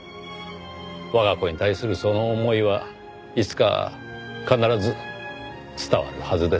我が子に対するその思いはいつか必ず伝わるはずです。